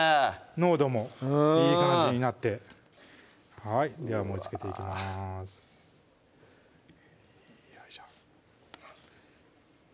濃度もいい感じになってでは盛りつけていきますよいしょ